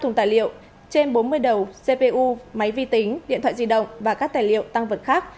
một trăm linh thùng tài liệu trên bốn mươi đầu cpu máy vi tính điện thoại di động và các tài liệu tăng vật khác